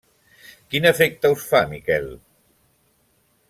-Quin efecte us fa, Miquel?